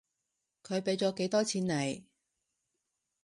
佢畀咗幾多錢你？